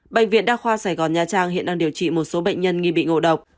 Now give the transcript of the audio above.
bệnh viện đa khoa sài gòn nha trang hiện đang điều trị một số bệnh nhân nghi bị ngộ độc